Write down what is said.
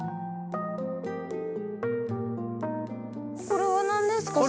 これは何ですか？